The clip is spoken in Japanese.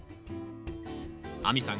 亜美さん